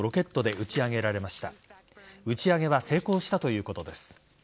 打ち上げは成功したということです。